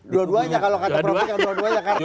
dua duanya kalau kata prof yang dua duanya karena